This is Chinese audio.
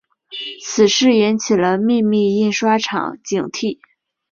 此事引起了秘密印刷厂警惕。